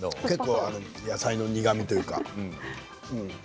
結構、野菜の苦みというか。